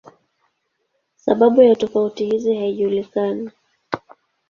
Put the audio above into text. Sababu ya tofauti hizi haijulikani.